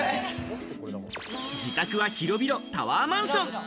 自宅は広々タワーマンション。